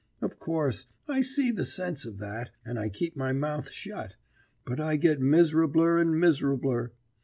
Of course, I see the sense of that, and I keep my mouth shut, but I get miserabler and miserabler.